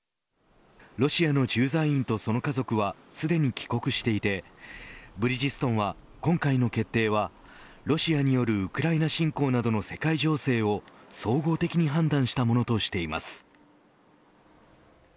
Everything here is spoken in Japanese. ロシアの駐在員とその家族はすでに帰国していてブリヂストンは今回の決定はロシアによるウクライナ侵攻などの世界情勢を総合的に判断したものとしています。